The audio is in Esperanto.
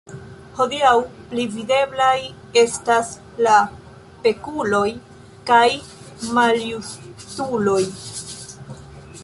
Hodiaŭ, pli videblaj estas la pekuloj kaj maljustuloj.